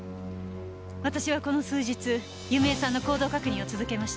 私はこの数日弓枝さんの行動確認を続けました。